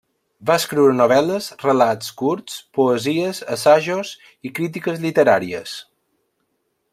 Va escriure novel·les, relats curts, poesies, assajos i crítiques literàries.